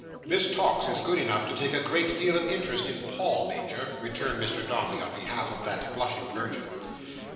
"Miss Tox is good enough to take a great deal of interest in Paul, Major," returned Mr Dombey on behalf of that blushing virgin.